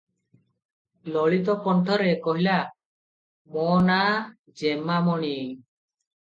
ଲଳିତ କଣ୍ଠରେ କହଲା-“ମୋ' ନାଁ ଯେମାମଣି ।"